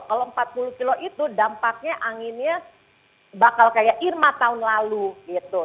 kalau empat puluh kilo itu dampaknya anginnya bakal kayak irma tahun lalu gitu